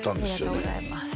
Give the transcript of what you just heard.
ありがとうございます